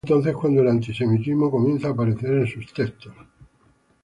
Es entonces cuando el antisemitismo comienza a aparecer en sus textos.